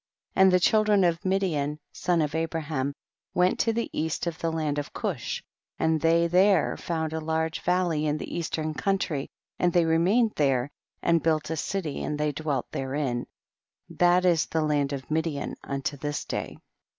9. And the children of Midian, son of Abraham, went to the east of the land of Cush, and they there fo\md a large valley in the eastern country, and they remained thej'e and built a city, and they dwelt therein ; that is the land of Midian unto tins day.